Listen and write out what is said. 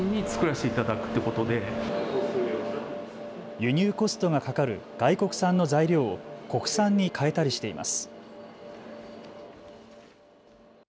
輸入コストがかかる外国産の材料を国産に変えたりしています。